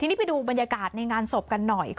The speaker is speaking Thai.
ทีนี้ไปดูบรรยากาศงานสบกันหน่อย